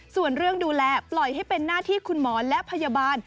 ส่วนเรื่องดูแลปล่อยให้เป็นหน้าที่คุณหมอและพยาบาล